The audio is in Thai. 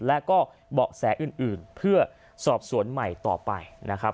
และก็เบาะแสอื่นเพื่อสอบสวนใหม่ต่อไปนะครับ